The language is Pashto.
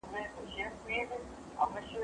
ته ولي کتابونه وړې